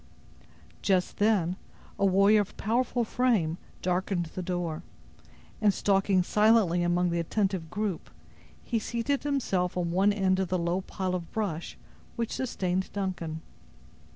Just then, a warrior of powerful frame, darkened the door, and stalking silently among the attentive group, he seated himself on one end of the low pile of brush which sustained Duncan.